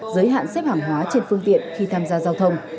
giới hạn xếp hàng hóa trên phương tiện khi tham gia giao thông